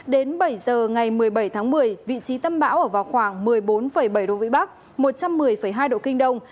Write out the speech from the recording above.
đến bảy giờ ngày một mươi bảy tháng một mươi vị trí tâm bão ở vào khoảng một mươi bốn bảy độ vĩ bắc một trăm một mươi hai độ kinh đông